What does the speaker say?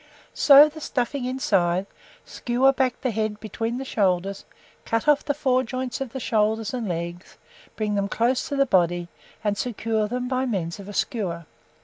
Sew the stuffing inside, skewer back the head between the shoulders, cut off the fore joints of the shoulders and legs, bring: them close to the body, and secure them by means of a skewer.